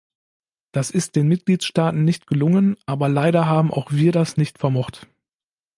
Das ist den Mitgliedstaaten nicht gelungen, aber leider haben auch wir das nicht vermocht.